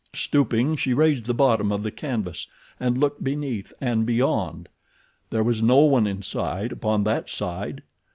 Stooping, she raised the bottom of the canvas and looked beneath and beyond. There was no one in sight upon that side.